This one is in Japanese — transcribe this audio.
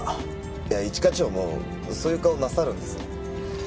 いや一課長もそういう顔をなさるんですね。